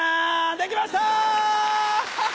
できました！